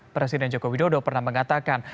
presiden joko widodo pernah mengatakan